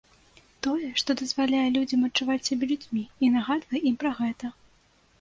Тое, што дазваляе людзям адчуваць сябе людзьмі і нагадвае ім пра гэта.